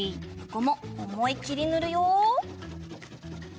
ここもおもいきりぬるよ。